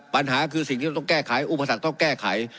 ปัญหาคือสิ่งที่ต้องแก้ไขอุปสรรคต้องแก้ไข